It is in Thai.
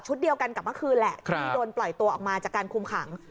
เดียวกันกับเมื่อคืนแหละที่โดนปล่อยตัวออกมาจากการคุมขัง